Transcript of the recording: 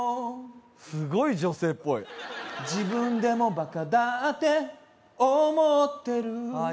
すごい女性っぽい自分でもバカだって思ってるああ